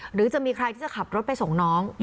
หรือจะมีใครที่จะขับรถไปส่งน้อง